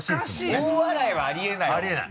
大笑いはあり得ないもん。